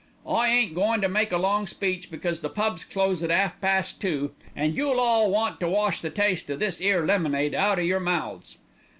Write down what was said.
"I ain't goin' to make a long speech, because the pubs close at 'alf past two, an' you'll all want to wash the taste o' this 'ere lemonade out o' your mouths."